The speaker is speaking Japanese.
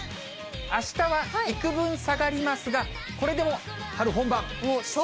あしたは幾分下がりますが、これでも春本番。